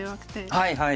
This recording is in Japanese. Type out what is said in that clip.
はいはい。